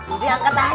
udah angkat aja